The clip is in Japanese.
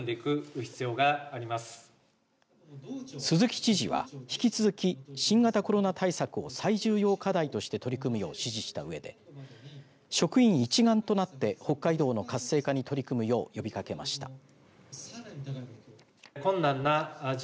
鈴木知事は引き続き新型コロナ対策を最重要課題として取り組むよう指示したうえで職員一丸となって北海道の活性化に取り組むよう呼びかけました。